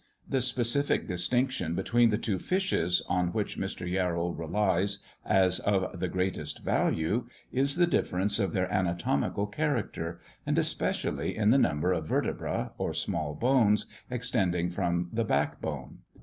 The specific distinction between the two fishes, on which Mr. Yarrell relies as of the greatest value, is the difference of their anatomical character; and especially in the number of vertebræ, or small bones, extending from the back bone.